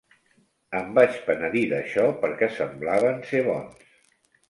Em vaig penedir d'això, perquè semblaven ser bons.